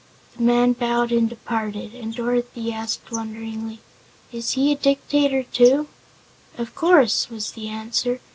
The man bowed and departed, and Dorothy asked wonderingly: "Is he a Dictator, too?" "Of course," was the answer.